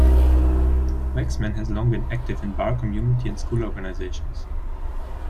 Waxman has long been active in Bar, community and school organizations.